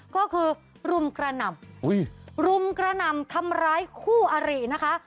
ก็คือรุมกระหน่ำรุมกระหน่ำทำร้ายคู่อรินะคะ